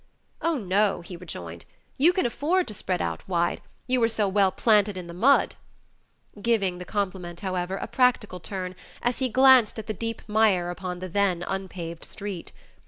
"Oh, no," he rejoined, "you can afford to spread out wide, you are so well planted in the mud," giving the compliment, however, a practical turn, as he glanced at the deep mire on the then unpaved street.